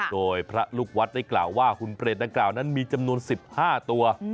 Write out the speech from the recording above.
โดยพระลูกวัดได้กล่าวว่าหุ่นเปรตดังกล่าวนั้นมีจำนวน๑๕ตัว